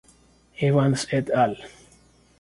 Evans "et al.